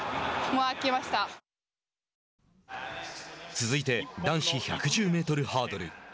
続いて男子１１０メートルハードル。